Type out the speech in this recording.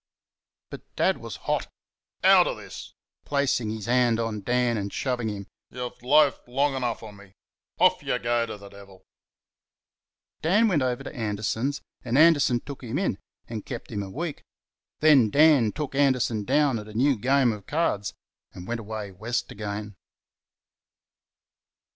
But Dad was hot. "Out of this!" (placing his hand on Dan, and shoving him). "You've loafed long enough on me! Off y' go t' th' devil!" Dan went over to Anderson's and Anderson took him in and kept him a week. Then Dan took Anderson down at a new game of cards, and went away West again.